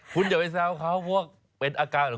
คุณอย่าไปแซวเขาเพราะว่าเป็นอาการหรือ